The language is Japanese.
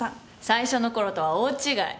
最初の頃とは大違い。